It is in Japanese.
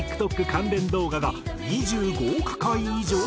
関連動画が２５億回以上再生！